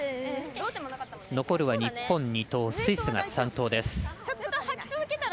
残るは日本２投スイスが３投。